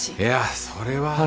いやそれは。